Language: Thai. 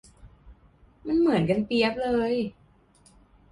มันเหมือนกันเปี๊ยบเลย